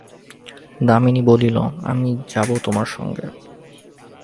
দামিনী বলিল, আমি তোমার সঙ্গে যাইব।